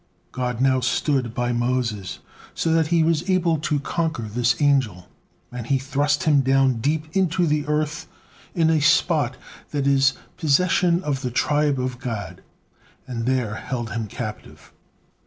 God now stood by Moses, so that he was able to conquer this angel, and he thrust him down deep into the earth in a spot that is possession of the tribe of Gad, and there held him captive.